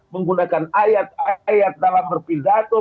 menggunakan ayat ayat dalam berpidato